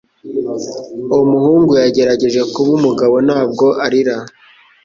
Umuhungu yagerageje kuba umugabo ntabwo arira.